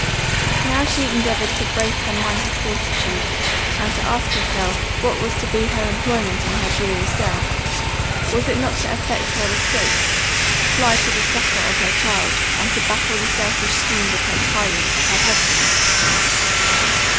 Now she endeavoured to brace her mind to fortitude, and to ask herself what was to be her employment in her dreary cell? Was it not to effect her escape, to fly to the succour of her child, and to baffle the selfish schemes of her tyrant her husband?